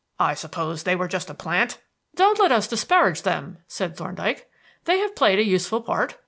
I suppose they were just a plant?" "Don't let us disparage them," said Thorndyke. "They have played a useful part.